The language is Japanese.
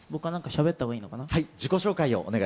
僕は何かしゃべったほうがいいのかな？